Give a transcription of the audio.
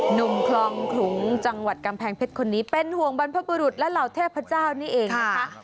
หนุ่มคลองขลุงจังหวัดกำแพงเพชรคนนี้เป็นห่วงบรรพบุรุษและเหล่าเทพเจ้านี่เองนะคะ